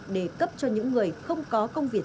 để cấp cho những người không có công việc